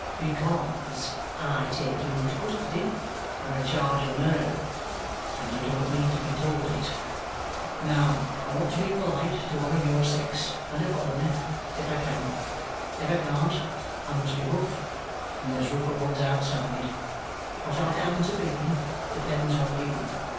"Because I take you into custody on a charge of murder, and you don't need to be told it. Now, I want to be polite to one of your sex and a foreigner if I can. If I can't, I must be rough, and there's rougher ones outside. What I am to be depends on you.